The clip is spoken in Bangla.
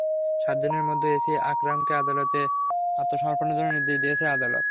সাত দিনের মধ্যে এসি আকরামকে আদালতে আত্মসমর্পণের জন্য নির্দেশ দিয়েছেন আদালত।